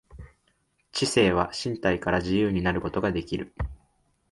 知性は身体から自由になることができる。